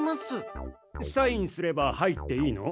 サインすれば入っていいの？